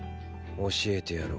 教えてやろう。